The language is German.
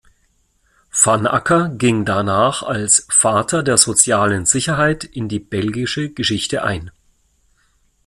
Van Acker ging danach als “Vater der sozialen Sicherheit” in die belgische Geschichte ein.